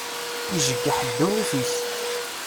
Ijeggeḥ ddunit-is.